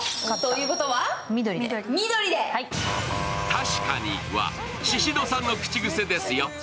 「たしかに」はシシドさんの口癖ですよ。